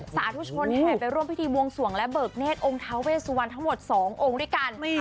สาธุชนแห่ไปร่วมพิธีบวงสวงและเบิกเนธองค์ท้าเวสวันทั้งหมด๒องค์ด้วยกัน